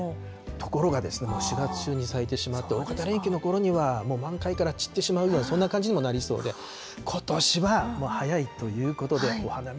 ところが、４月中に咲いてしまって、大型連休のころには、もう満開から散ってしまうような、そんな感じにもなりそうで、ことしは早いということで、お花見